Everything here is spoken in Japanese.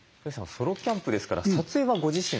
ソロキャンプですから撮影はご自身ですか？